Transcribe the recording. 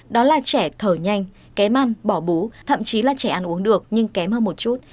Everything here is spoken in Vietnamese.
đó là trẻ thở nhanh kém ăn bỏ bú thậm chí là trẻ ăn uống được nhưng kém hơn một chút